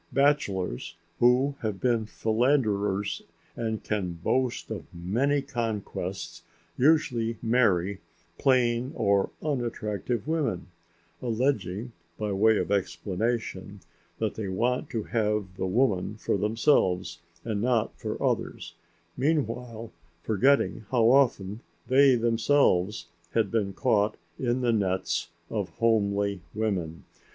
Bachelors who had been philanderers and can boast of many conquests usually marry plain or unattractive women alleging, by way of explanation, that they want to have the woman for themselves and not for others, meanwhile forgetting how often they themselves had been caught in the nets of homely women.